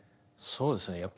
そうですね